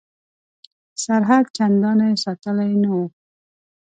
سرحد چنداني ساتلی نه وو.